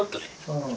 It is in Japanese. うん。